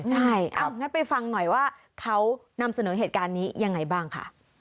ใช่เอางั้นไปฟังหน่อยว่าเขานำเสนอเหตุการณ์นี้ยังไงบ้างค่ะ